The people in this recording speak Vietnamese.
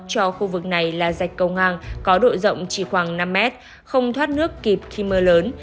cho khu vực này là dạch cầu ngang có độ rộng chỉ khoảng năm mét không thoát nước kịp khi mưa lớn